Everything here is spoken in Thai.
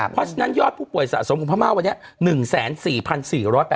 เพราะฉะนั้นยอดผู้ป่วยสะสมของพม่าวันนี้